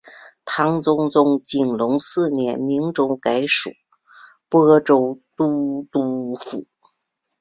唐中宗景龙四年明州改属播州都督府。